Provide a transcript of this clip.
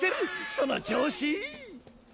その調子！